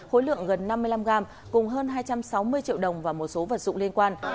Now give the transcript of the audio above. hơn hai trăm sáu mươi triệu đồng và một số vật dụng liên quan